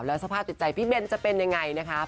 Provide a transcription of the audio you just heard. แล้วสภาพจิตใจพี่เบนจะเป็นยังไงนะคะ